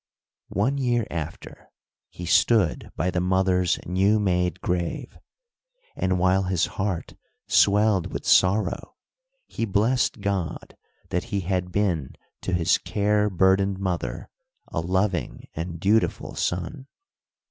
One year after, he stood by the mother's new made grave, and, while his heart swelled with sorrow, he blessed God that he had been to his care burdened mother a loving and dutiful son.